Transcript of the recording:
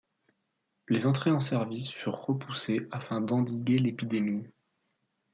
Les entrées en service furent repoussées afin d'endiguer l'épidémie.